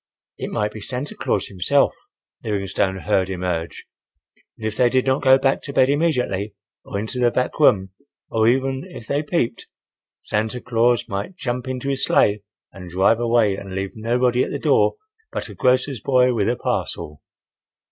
It might be Santa Claus himself, Livingstone heard him urge, and if they did not go back to bed immediately, or into the back room,—or even if they peeped, Santa Claus might jump into his sleigh and drive away and leave nobody at the door but a grocer's boy with a parcel.